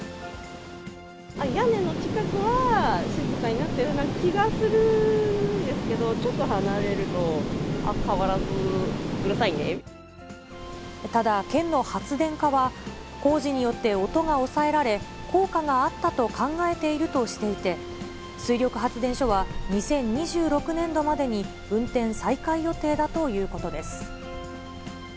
屋根の近くは静かになったような気がするんですけど、ちょっと離れると、あっ、ただ、県の発電課は、工事によって音が抑えられ、効果があったと考えているとしていて、水力発電所は、２０２６年度までに運転再開予定だということです。